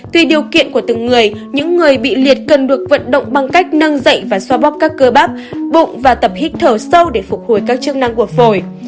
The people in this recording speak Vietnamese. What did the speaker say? tùy điều kiện của từng người những người bị liệt cần được vận động bằng cách nâng dạy và xoa bóp các cơ bắp bụng và tập hít thở sâu để phục hồi các chức năng của phổi